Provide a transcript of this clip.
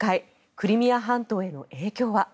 クリミア半島への影響は？